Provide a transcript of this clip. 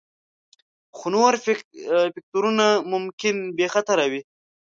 خو نور فکتورونه ممکن بې خطره وي